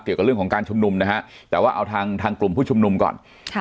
เกี่ยวกับเรื่องของการชุมนุมนะฮะแต่ว่าเอาทางทางกลุ่มผู้ชุมนุมก่อนค่ะ